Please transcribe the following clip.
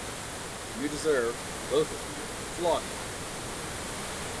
You deserved, both of you, flogging for that!